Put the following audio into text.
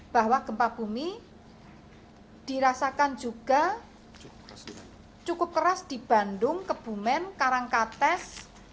bahwa gempa bumi dirasakan juga cukup keras di bandung kebumen karangkates